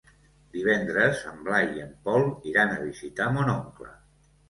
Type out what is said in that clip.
Divendres en Blai i en Pol iran a visitar mon oncle.